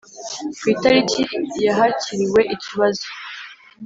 Ku itariki ya hakiriwe ikibazo